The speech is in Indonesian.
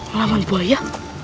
ngelaman di bawah ya